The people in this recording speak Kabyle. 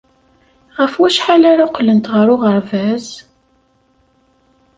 Ɣef wacḥal ara qqlent ɣer uɣerbaz?